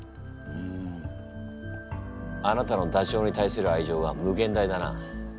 あなたのダチョウに対する愛情は無限大だな。